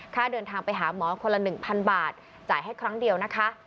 ค่าเดินทางไปหาหมอคนละ๑๐๐บาทจ่ายให้ครั้งเดียวนะคะ